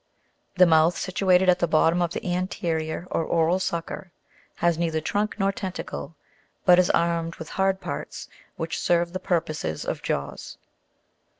The mouth, situated at the bottom of the anterior or oral sucker (fig. 76, a), has neither trunk nor tentacle, but is armed with hard parts which serve the purposes of jaws.